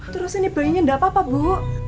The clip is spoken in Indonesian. terus ini bayinya tidak apa apa bu